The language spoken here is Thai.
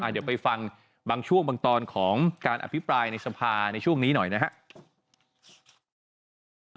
เดี๋ยวไปฟังบางช่วงบางตอนของการอภิปรายในสภาในช่วงนี้หน่อยนะครับ